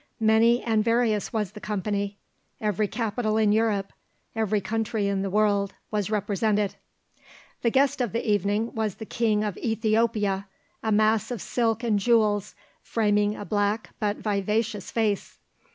Many and various was the company; every capital in Europe, every country in the world, was represented. The guest of the evening was the King of Ethiopia, a mass of silk and jewels framing a black but vivacious face.